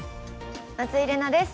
松井玲奈です。